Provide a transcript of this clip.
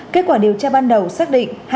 kết quả điều tra ban đầu xác định